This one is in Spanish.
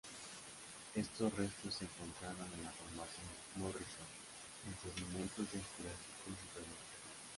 Estos restos se encontraron en la formación Morrison, en sedimentos del Jurásico Superior.